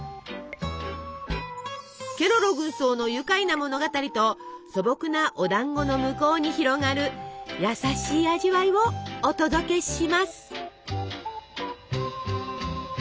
ケロロ軍曹の愉快な物語と素朴なおだんごの向こうに広がる優しい味わいをお届けします！